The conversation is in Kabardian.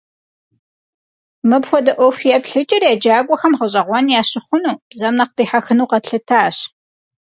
Мыпхуэдэ ӏуэху еплъыкӏэр еджакӀуэхэм гъэщӀэгъуэн ящыхъуну, бзэм нэхъ дихьэхыну къэтлъытащ.